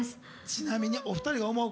ちなみにお二人が思う